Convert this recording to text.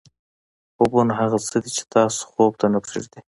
خوبونه هغه څه دي چې تاسو خوب ته نه پرېږدي.